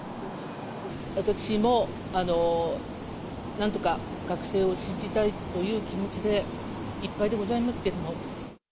私もなんとか学生を信じたいという気持ちでいっぱいでございますけれども。